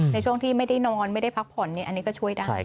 ในช่วงที่ไม่ได้นอนไม่ได้พักผ่อนอันนี้ก็ช่วยได้